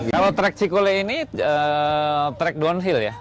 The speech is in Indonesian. kalau track cikule ini track downhill ya